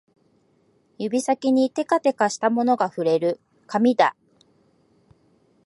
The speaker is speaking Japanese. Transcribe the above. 指先にてかてかとしたものが触れる、紙だ